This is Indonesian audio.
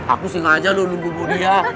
aku singa aja loh nunggu nunggu dia